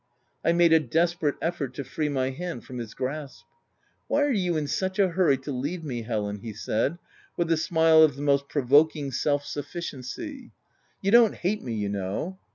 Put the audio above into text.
I made a desperate effort to free my hand from his grasp. u Why are you in such a hurry to leave me, Helen ?" he said, with a smile of the most pro voking self sufficiency — "you don't hate me' you know."